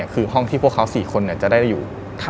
คือห้องที่พวกเขา๔คนจะได้อยู่